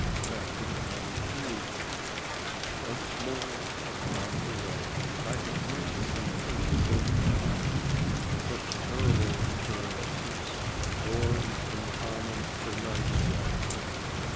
CHAPTER XXIII ONCE MORE UPON THE WAY I had made some friends in the mine. Such terrible experiences, born in common, unites one.